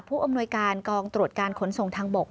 ผู้อำนวยการกองตรวจการขนส่งทางบก